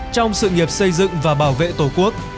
trong sự nghiệp xây dựng và bảo vệ tổ quốc